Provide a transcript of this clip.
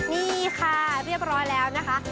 นี่ค่ะเรียบร้อยแล้วนะคะ